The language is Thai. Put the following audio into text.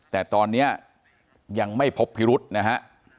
แต่ตอนนี้ยังไม่พบพิรุษนะฮะ